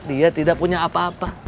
dia tidak punya apa apa